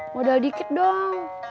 modal dikit dong